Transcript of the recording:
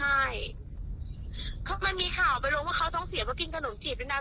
ใช่มันมีข่าวไปลงว่าเขาต้องเสียเพราะกินขนมจีบด้วยนะ